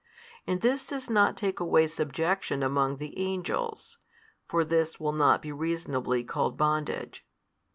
And this does not take away subjection among the angels (for this will not be reasonably called bondage).